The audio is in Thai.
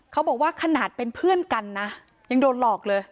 เขาบอกว่าขนาดเป็นเพื่อนกันนะยังโดนหลอกเลย